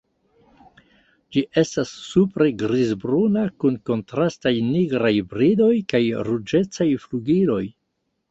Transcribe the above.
Ĝi estas supre grizbruna kun kontrastaj nigraj bridoj kaj ruĝecaj flugiloj.